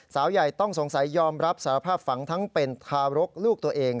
สาวใหญ่ต้องสงสัยยอมรับสารภาพฝังทั้งเป็นทารกลูกตัวเอง